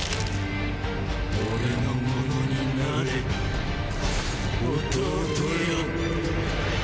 俺のものになれ弟よ。